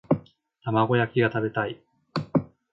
玉子焼きが食べたい